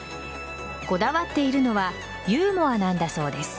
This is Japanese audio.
こだわっているのはユーモアなんだそうです。